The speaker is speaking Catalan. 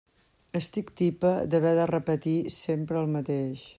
Estic tipa d'haver de repetir sempre el mateix.